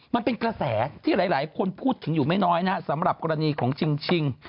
มันเป็นกระแสที่หลายคนพูดถึงอยู่ไม่น้อยนะสำหรับกรณีของชิง